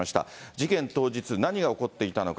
事件当日、何が起こっていたのか。